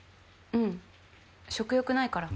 うん食欲ないから。